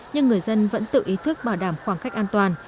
nhưng người dân vẫn tự ý thức bảo đảm khoảng cách an toàn